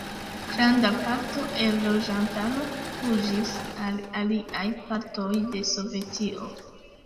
Granda parto el loĝantaro fuĝis al aliaj partoj de Sovetio.